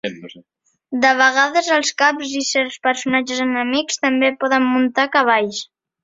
De vegades, els caps i certs personatges enemics també poden muntar cavalls.